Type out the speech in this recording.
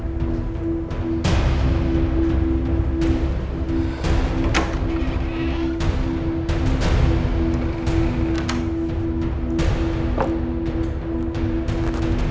mama udah ngantuk banget